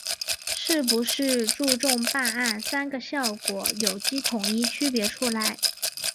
是不是注重办案‘三个效果’有机统一区别出来